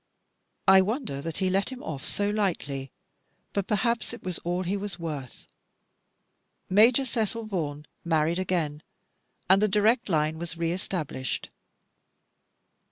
I wonder that he let him off so lightly; but perhaps it was all he was worth. Major Cecil Vaughan married again, and the direct line was re established.